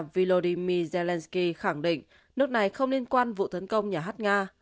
volodymyr zelenskyy khẳng định nước này không liên quan vụ tấn công nhà hạt nga